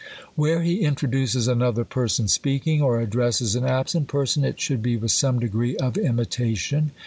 Where he introduces another per son speaking, or addresses an absent person, it should be with some degree of imitation.